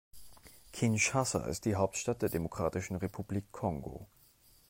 Kinshasa ist die Hauptstadt der Demokratischen Republik Kongo.